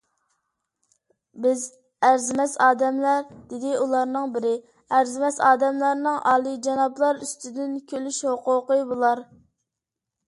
_ بىز ئەرزىمەس ئادەملەر، _ دېدى ئۇلارنىڭ بىرى، _ ئەرزىمەس ئادەملەرنىڭ ئالىيجانابلار ئۈستىدىن كۈلۈش ھوقۇقى بولار!؟